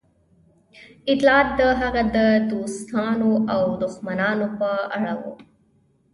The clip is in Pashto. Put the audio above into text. اطلاعات د هغه د دوستانو او دښمنانو په اړه وو